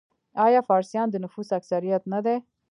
آیا فارسیان د نفوس اکثریت نه دي؟